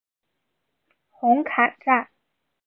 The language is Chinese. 红磡站。